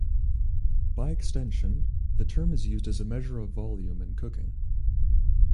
By extension, the term is used as a measure of volume in cooking.